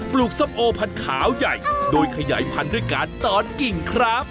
ลูกส้มโอพันขาวใหญ่โดยขยายพันธุ์ด้วยการตอนกิ่งครับ